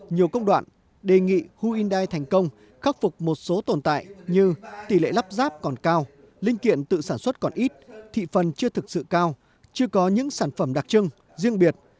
nhiều công đoạn đề nghị ho hyundai thành công khắc phục một số tồn tại như tỷ lệ lắp ráp còn cao linh kiện tự sản xuất còn ít thị phần chưa thực sự cao chưa có những sản phẩm đặc trưng riêng biệt